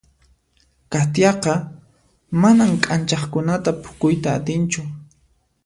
Katiaqa manan k'anchaqkunata phukuyta atinchu.